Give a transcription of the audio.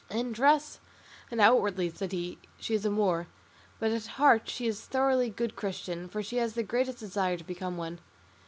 "In dress and outwardly," said he, "she is a Moor, but at heart she is a thoroughly good Christian, for she has the greatest desire to become one."